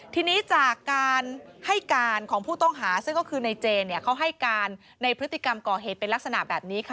ทีนี้จากการให้การของผู้ต้องหาซึ่งก็คือในเจเนี่ยเขาให้การในพฤติกรรมก่อเหตุเป็นลักษณะแบบนี้ค่ะ